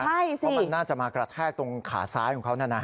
เพราะมันน่าจะมากระแทกตรงขาซ้ายของเขานั่นนะ